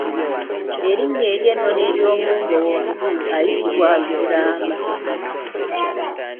Erinnya ery’ennono ery’omumbowa omukulu ayitibwa Mulamba.